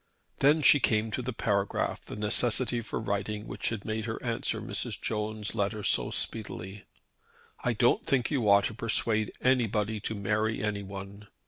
Then she came to the paragraph the necessity for writing which had made her answer Mrs. Jones' letter so speedily. "I don't think you ought to persuade anybody to marry anyone.